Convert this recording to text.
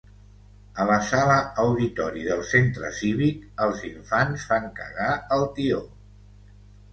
A la sala auditori del centre cívic els infants fan cagar el tió.